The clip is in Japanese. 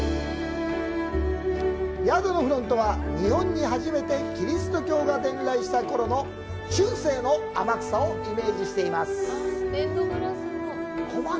宿のフロントは日本に初めてキリスト教が伝来したころの中世の天草をイメージしています。